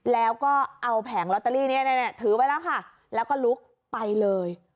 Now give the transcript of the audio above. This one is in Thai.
แล้วก็เอาแผงลอตเตอรี่เนี่ยถือไว้แล้วค่ะแล้วก็ลุกไปเลย